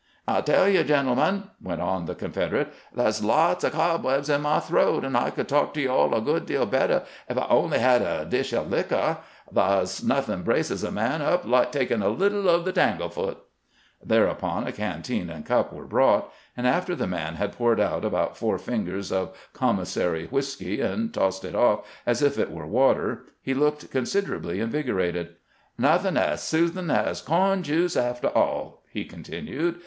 " I tell GEANT INTEEVIEWS A PEfSONER 159 you, gentlemen," went on the Confederate, " thali 's lots o' cobwebs in my throat, and I could talk to you all a good deal bettah if I only bad a disb o' liquor. Thab 's notbin' braces a man up like takin' a little o' tbe tangle foot." Thereupon a canteen and cup were brought, and after the man had poured out about four fingers of commis sary whisky and tossed it off as if it were water, he looked considerably invigorated. " Nothin' as soothin' as co'n juice, aftah aU," he continued.